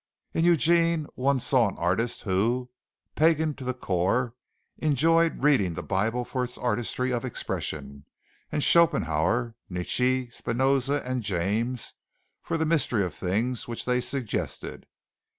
In Eugene one saw an artist who, pagan to the core, enjoyed reading the Bible for its artistry of expression, and Schopenhauer, Nietzsche, Spinoza and James for the mystery of things which they suggested.